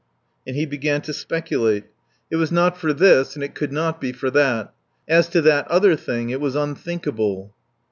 And he began to speculate. It was not for this and it could not be for that. As to that other thing it was unthinkable.